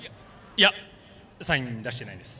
いやサイン出してないです。